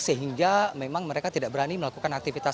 sehingga memang mereka tidak berani melakukan aktivitas